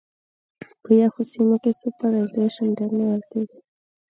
په یخو سیمو کې سوپرایلیویشن ډېر نیول کیږي